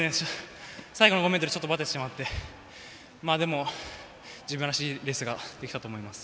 最後の５ｍちょっとばててしまってでも、自分らしいレースができたと思います。